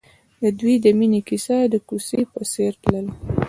د دوی د مینې کیسه د کوڅه په څېر تلله.